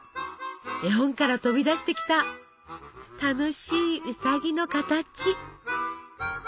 絵本から飛び出してきた楽しいウサギの形。